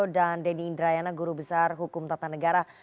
dan denny indrayana guru besar hukum tata negara